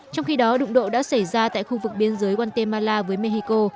trong khi đó đụng độ đã xảy ra tại khu vực biên giới guatemala với mexico